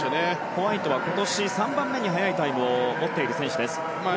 ホワイトは今年３番目に速いタイムを持っている選手です。